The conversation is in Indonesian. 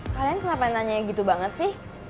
kalian kenapa nanya gitu banget sih